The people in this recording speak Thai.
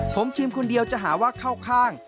ผมชิมคนเดียวจะหาว่าเข้าข้าง